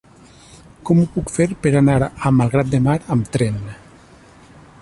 Com ho puc fer per anar a Malgrat de Mar amb tren?